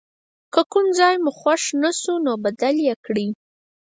که کوم ځای مو خوښ نه شو نو بدل یې کړئ.